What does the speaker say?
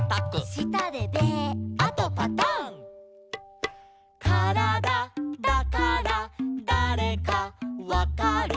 「したでベー」「あとパタン」「からだだからだれかわかる」